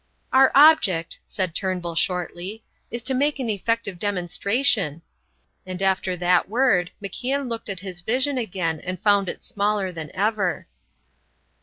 "Our object," said Turnbull, shortly, "is to make an effective demonstration"; and after that word, MacIan looked at his vision again and found it smaller than ever.